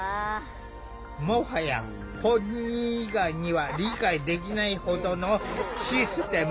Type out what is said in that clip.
もはや本人以外には理解できないほどのシステムを構築。